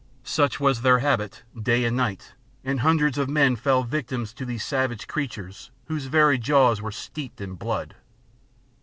Such was their habit, day and night, and hundreds of men fell victims to these savage creatures, whose very jaws were steeped in blood.